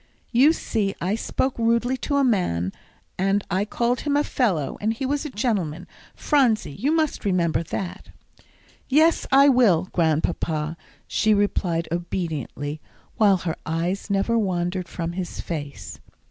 "You see I spoke rudely to a man, and I called him a fellow, and he was a gentleman, Phronsie; you must remember that." "Yes, I will, Grandpapa," she replied obediently, while her eyes never wandered from his face.